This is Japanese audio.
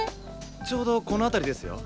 ちょうどこの辺りですよ。